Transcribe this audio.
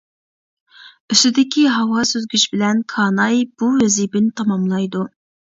ئۈستىدىكى ھاۋا سۈزگۈچ بىلەن كاناي بۇ ۋەزىپىنى تاماملايدۇ.